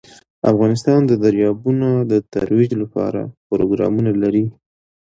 افغانستان د دریابونه د ترویج لپاره پروګرامونه لري.